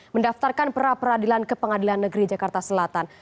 mendaftarkan pra peradilan ke pengadilan negeri jakarta selatan